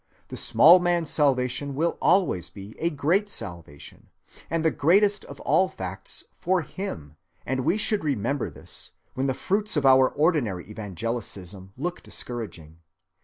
A small man's salvation will always be a great salvation and the greatest of all facts for him, and we should remember this when the fruits of our ordinary evangelicism look discouraging.